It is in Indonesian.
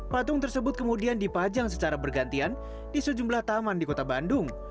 patung tersebut kemudian dipajang secara bergantian di sejumlah taman di kota bandung